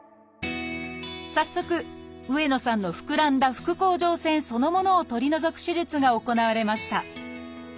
早速上野さんの膨らんだ副甲状腺そのものを取り除く手術が行われました。